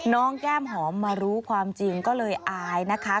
แก้มหอมมารู้ความจริงก็เลยอายนะคะ